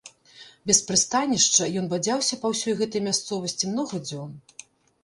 Без прыстанішча ён бадзяўся па ўсёй гэтай мясцовасці многа дзён.